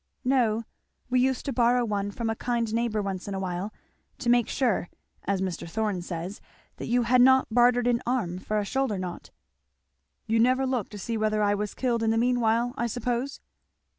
"No we used to borrow one from a kind neighbour once in a while, to make sure, as Mr. Thorn says, that you had not bartered an arm for a shoulder knot." "You never looked to see whether I was killed in the meanwhile, I suppose?"